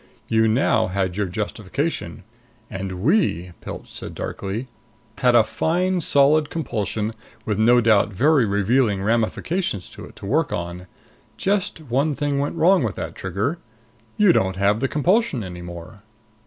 You now had your justification. And we," Pilch said darkly, "had a fine, solid compulsion with no doubt very revealing ramifications to it to work on. Just one thing went wrong with that, Trigger. You don't have the compulsion any more."